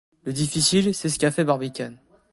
Le difficile, c’est ce qu’a fait Barbicane.